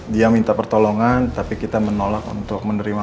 dia minta pertolongan tapi kita menolak untuk menerima